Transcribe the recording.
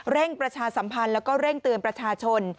ประชาสัมพันธ์แล้วก็เร่งเตือนประชาชน